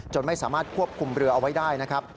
ไม่สามารถควบคุมเรือเอาไว้ได้นะครับ